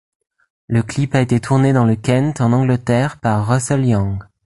Le clip a été tourné dans le Kent en Angleterre par Russel Young.